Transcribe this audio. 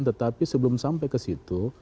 tetapi sebelum sampai ke situ